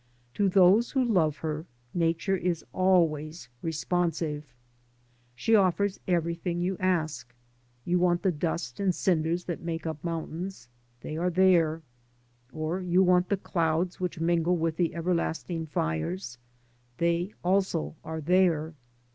To those who love her, Nature is always responsive. She offers everything you ask. You want the dust and cinders that make up mountains — they are there; or you want the clouds which mingle with the everlasting fires — they also are there.